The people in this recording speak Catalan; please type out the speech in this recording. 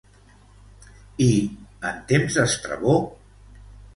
I en temps d'Estrabó?